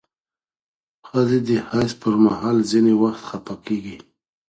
ښځې د حیض پر مهال ځینې وخت خپه کېږي.